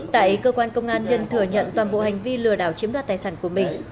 tại cơ quan công an nhân thừa nhận toàn bộ hành vi lừa đảo chiếm đoạt tài sản của mình